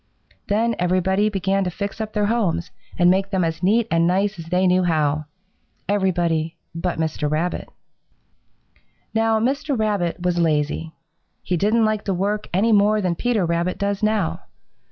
Then everybody began to fix up their homes and make them as neat and nice as they knew how everybody but Mr. Rabbit. "Now Mr. Rabbit was lazy. He didn't like to work any more than Peter Rabbit does now.